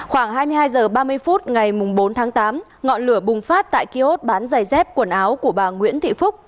khoảng hai mươi hai h ba mươi phút ngày bốn tháng tám ngọn lửa bùng phát tại kiosk bán giày dép quần áo của bà nguyễn thị phúc